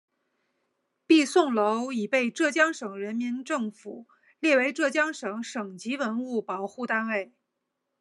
皕宋楼已被浙江省人民政府列为浙江省省级文物保护单位。